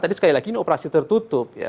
tadi sekali lagi ini operasi tertutup ya